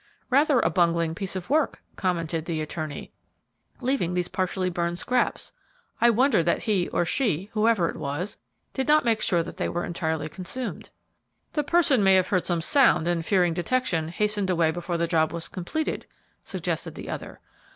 "Rather a bungling piece of work," commented the attorney, "leaving these partially burned scraps. I wonder that he or she, whoever it was, did not make sure that they were entirely consumed." "The person may have heard some sound and, fearing detection, hastened away before the job was completed," suggested the other.